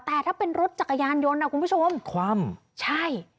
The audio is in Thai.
แต่ถ้าเป็นรถจักรยานยนต์นะคุณผู้ชมคว่ำใช่